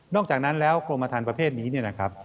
นอกจากนั้นแล้วโครมธรรมประเภทนี้นะครับ